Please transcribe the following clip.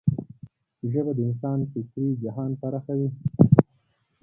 ژبه د انسان فکري جهان پراخوي.